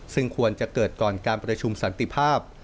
ซึ่งควรจะเกิดก่อนการประชุมสันติภาพ